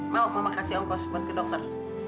mau kasih ongkos buat ke dokter